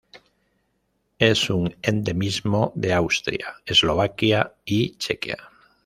Es un endemismo de Austria, Eslovaquia y Chequia.